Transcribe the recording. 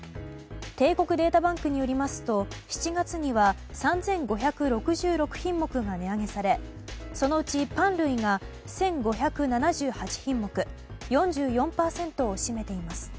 帝国データバンクによりますと７月には３５６６品目が値上げされそのうちパン類が１５７８品目４４％を占めています。